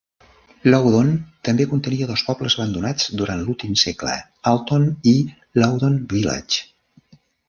Loudoun també contenia dos pobles abandonats durant l"últim segle, "Alton" i "Loudoun Village".